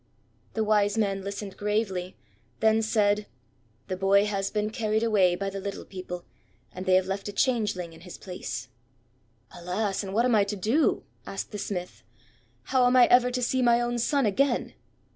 The Wise man listened gravely, then said: "The boy has been carried away by the Little People, and they have left a Changeling in his place." "Alas! And what am I to do?" asked the smith. "How am I ever to see my own son again?"